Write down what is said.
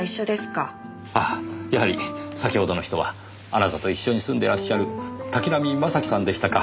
ああやはり先ほどの人はあなたと一緒に住んでらっしゃる滝浪正輝さんでしたか。